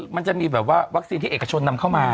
มันจะมีแบบว่าวัคซีนที่เอกชนนำเข้ามา